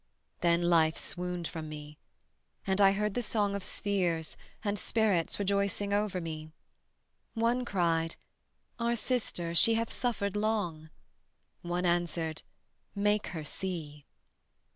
Then life swooned from me. And I heard the song Of spheres and spirits rejoicing over me: One cried: "Our sister, she hath suffered long." One answered: "Make her see."